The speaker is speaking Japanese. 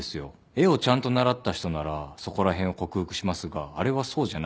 絵をちゃんと習った人ならそこら辺を克服しますがあれはそうじゃない。